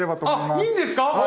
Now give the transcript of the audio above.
あいいんですか？